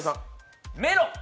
メロン！